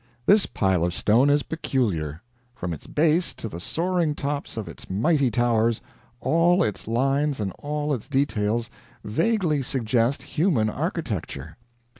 This pile of stone is peculiar. From its base to the soaring tops of its mighty towers, all its lines and all its details vaguely suggest human architecture.